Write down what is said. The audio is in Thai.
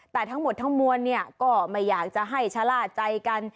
แต่ทั้งหมดทั้งมวลเนี่ยก็ไม่อยากจะให้ชะล่าใจกัน